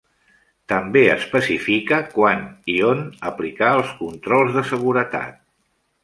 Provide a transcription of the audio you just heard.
També especifica quan i on aplicar els controls de seguretat.